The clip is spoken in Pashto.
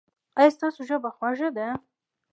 ایا ستاسو ژبه خوږه ده؟